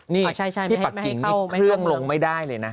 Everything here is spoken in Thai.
นี่ที่ปากกิ่งนี่เครื่องลงไม่ได้เลยนะ